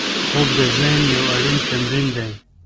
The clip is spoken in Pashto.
خوب د ذهن یو اړین تمرین دی